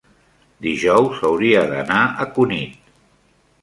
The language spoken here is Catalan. dijous hauria d'anar a Cunit.